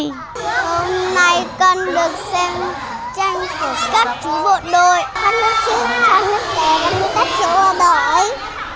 hôm nay con được xem tranh của các chú bộ đội